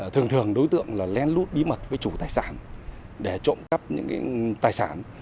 thường thường đối tượng len lút bí mật với chủ tài sản để trộm cắp những tài sản